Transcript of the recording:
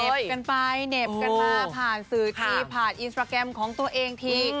กันไปเหน็บกันมาผ่านสื่อทีผ่านอินสตราแกรมของตัวเองที